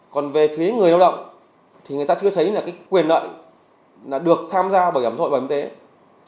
còn về phía người lao động thì người ta chưa thấy quyền lợi được tham gia bảo hiểm xã hội và luật bảo hiểm y tế